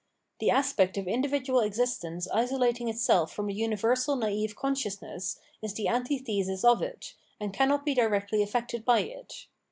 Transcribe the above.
The aspect of individual existence isolating itself from the universal naive consciousness is the antithesis of it, and cannot be directly affected by it.